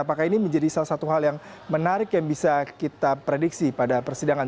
apakah ini menjadi salah satu hal yang menarik yang bisa kita prediksi pada persidangan